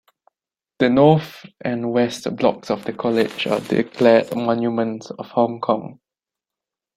The north and west blocks of the College are declared monuments of Hong Kong.